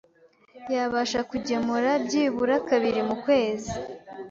yabasha kugemura byibura kabiri mu kwezi